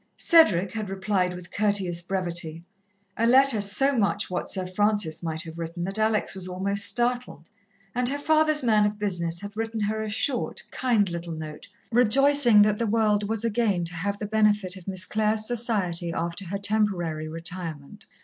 Cedric had replied with courteous brevity, a letter so much what Sir Francis might have written that Alex was almost startled, and her father's man of business had written her a short, kind little note, rejoicing that the world was again to have the benefit of Miss Clare's society after her temporary retirement.